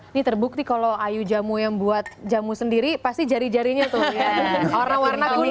ini terbukti kalau ayu jamu yang buat jamu sendiri pasti jari jarinya tuh ya warna warna kuning